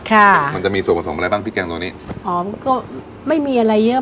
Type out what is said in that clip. ค่ะมันจะมีส่วนผสมอะไรบ้างพริกแกงตัวนี้หอมก็ไม่มีอะไรเยอะ